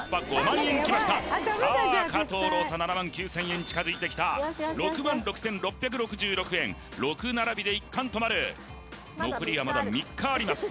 ７９０００円近づいてきた６６６６６円６並びで一環となる残りはまだ３日あります